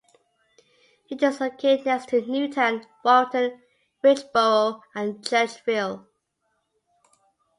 It is located next to Newtown, Warrington, Richboro, and Churchville.